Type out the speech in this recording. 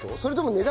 値段！？